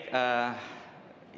yang perlu menerima